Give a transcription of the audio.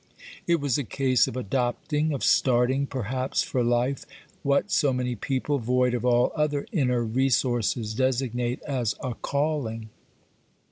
It was a case of adopting, of starting, perhaps for life, what so many people, void of all other inner resources, 4 OBERMANN designate as a calling.